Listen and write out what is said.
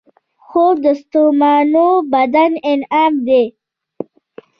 خوب د ستومانو بدن انعام دی